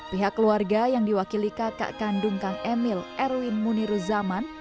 pihak keluarga yang diwakili kakak kandung kang emil erwin muniruzaman